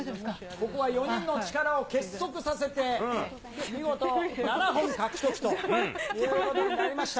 ここは４人の力を結束させて、見事７本獲得ということになりました。